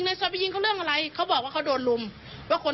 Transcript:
แม่ก็เลยบอกให้มามอบตัวตายแต่ว่าส่วนหนึ่งก็เพราะลูกชาย